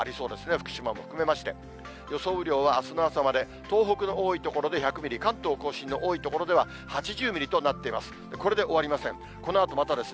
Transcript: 福島も含めまして、予想雨量はあすの朝まで、東北の多い所で１００ミリ、関東甲信の多い所では、８０ミリとなっています。